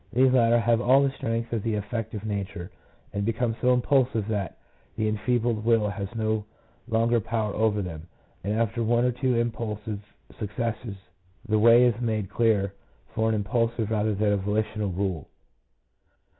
These latter have all the strength of the affective nature, and become so impulsive that the enfeebled will has no longer power over them, and after one or two impulsive successes, the* way is made clearer for an impulsive rather than a volitional rule.